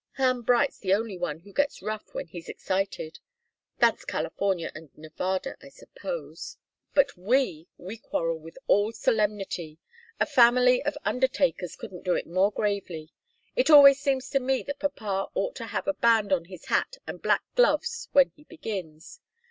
Ham Bright's the only one who gets rough when he's excited. That's California and Nevada, I suppose. But we! we quarrel with all solemnity. A family of undertakers couldn't do it more gravely. It always seems to me that papa ought to have a band on his hat and black gloves when he begins.